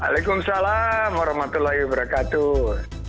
waalaikumsalam warahmatullahi wabarakatuh